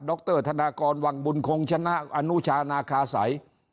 รธนากรวังบุญคงชนะอนุชานาคาสัย